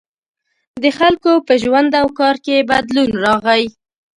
• د خلکو په ژوند او کار کې بدلون راغی.